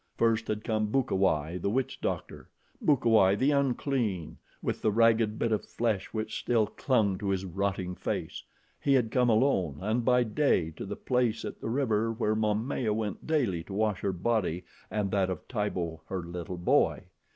First had come Bukawai, the witch doctor Bukawai, the unclean with the ragged bit of flesh which still clung to his rotting face. He had come alone and by day to the place at the river where Momaya went daily to wash her body and that of Tibo, her little boy.